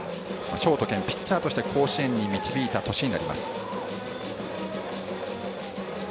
ショート兼ピッチャーとして甲子園に導いた年になります。